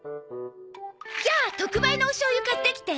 じゃあ特売のおしょう油買ってきて。